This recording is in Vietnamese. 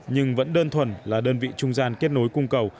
nhưng vẫn đơn thuần là đơn vị trung gian kết nối cung cầu